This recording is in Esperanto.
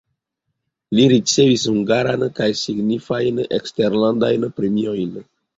Li ricevis hungaran kaj signifajn eksterlandajn premiojn.